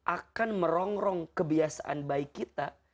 akan merongrong kebiasaan baik kita